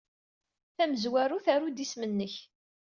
Tamezwarut, aru-d isem-nnek.